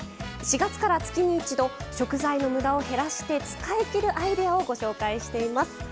４月から月に一度、食材のむだを減らして使いきるアイデアをご紹介しています。